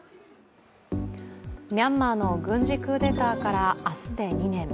ミャンマーの軍事クーデターから明日で２年。